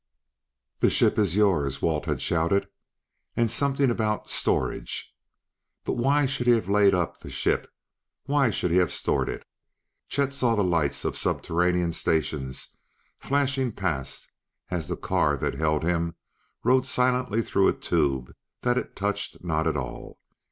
"The ship is yours," Walt had shouted ... and something about "storage." But why should he have laid up the ship; why should he have stored it? Chet saw the lights of subterranean stations flashing past as the car that held him rode silently through a tube that it touched not at all.